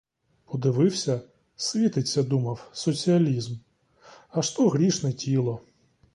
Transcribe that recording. Подивився — світиться думав, соціалізм, аж то грішне тіло.